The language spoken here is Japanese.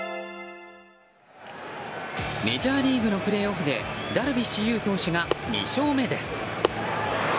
メジャーリーグのプレーオフでダルビッシュ有投手が２勝目です。